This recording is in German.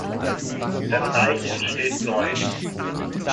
Das Reich entsteht neu.